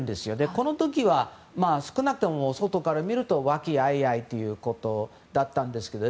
この時は少なくとも外から見ると和気あいあいということだったんですけどね。